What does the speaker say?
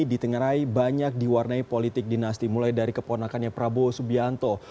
ditengarai banyak diwarnai politik dinasti mulai dari keponakannya prabowo subianto